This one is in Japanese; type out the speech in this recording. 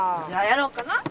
じゃあやろうかな。